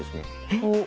えっ？